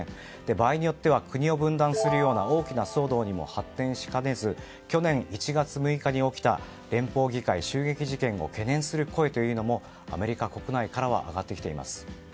場合によっては国を分断するような大きな騒動にも発展しかねず去年１月６日に起きた連邦議会襲撃事件を懸念する声というのもアメリカ国内からは上がってきています。